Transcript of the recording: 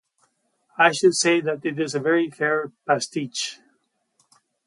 I should say that it is a very fair pastiche.